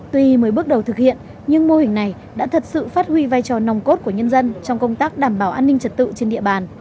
tuy mới bước đầu thực hiện nhưng mô hình này đã thật sự phát huy vai trò nòng cốt của nhân dân trong công tác đảm bảo an ninh trật tự trên địa bàn